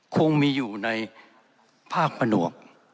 คงมีอยู่ในภาคผนวก